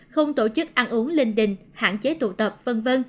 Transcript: không tổ chức ăn uống linh đình hạn chế tụ tập v v